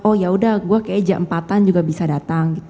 oh yaudah gue kayaknya jam empat an juga bisa datang